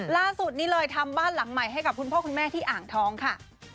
ล่าสุดนี้เลยทำบ้านหลังใหม่ให้กับคุณพ่อคุณแม่ที่อ่างทองค่ะ